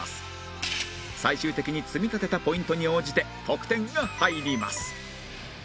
最終的に積み立てたポイントに応じて得点が入ります